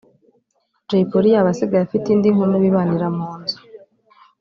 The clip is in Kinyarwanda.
Jay Polly yaba asigaye afite indi nkumi bibanira mu nzu